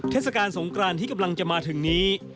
เทศกาลสงกรานที่กำลังจะมาถึงนี้